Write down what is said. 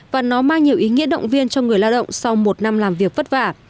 và nó mang nhiều ý nghĩa động viên cho người lao động sau một năm làm việc vất vả